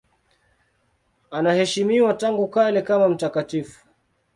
Anaheshimiwa tangu kale kama mtakatifu.